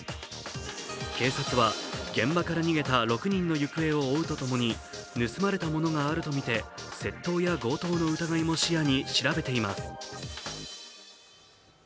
警察は現場から逃げた６人の行方を追うとともに盗まれたものがあるとみて窃盗や強盗の疑いも視野に調べています。